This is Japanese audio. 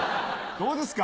どうですか？